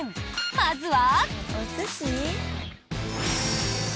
まずは。